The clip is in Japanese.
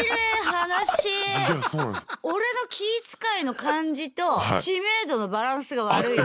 オレの気つかいの感じと知名度のバランスが悪いと。